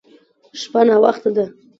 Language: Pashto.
شپه ناوخته ده.